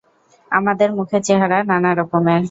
আমাদের মুখের চেহারা নানা রকমের।